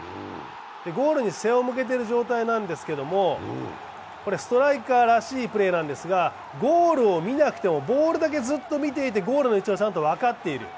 ゴールに背を向けている状態なんですけどストライカ−らしいプレーなんですけど、ゴールを見なくてもボールだけずっと見ていてゴールの位置をちゃんと分かっている。